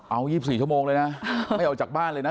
เอา๒๔ชั่วโมงเลยนะไม่ออกจากบ้านเลยนะ